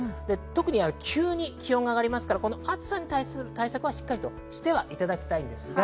特に急に気温が上がりますから、暑さに対する対策はしっかりとしていただきたいんです。